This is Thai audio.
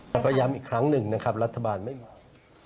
แล้วก็ย้ำอีกครั้งหนึ่งนะครับรัฐบาลไม่ไหว